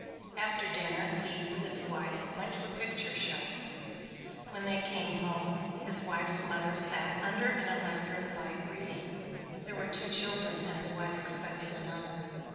After dinner he, with his wife, went to a picture show. When they came home his wife's mother sat under an electric light reading. There were two children and his wife expected another.